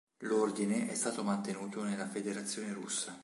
L'Ordine è stato mantenuto nella Federazione Russa.